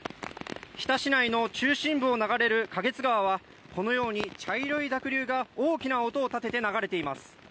日田市内の中心部を流れる花月川はこのように茶色い濁流が大きな音を立てて流れています。